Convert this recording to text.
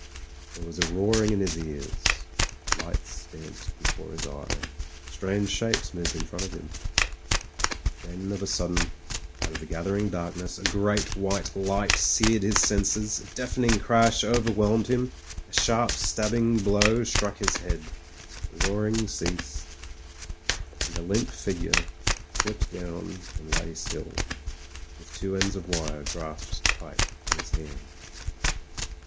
There was a roaring in his ears; lights danced be fore his eyes ; strange shapes moved in front of him. Then, of a sudden, out of the gathering darkness a great white light seared his senses, a deafening crash overwhelmed him, a sharp stabbing blow struck his head. The roaring ceased, and a limp figure slipped down and lay still, with two ends of wire grasped tight in his hand.